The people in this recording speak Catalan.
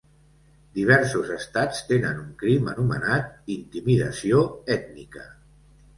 Diversos estats tenen un crim anomenat "intimidació ètnica".